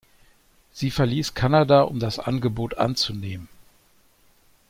Sie verließ Kanada um das Angebot anzunehmen.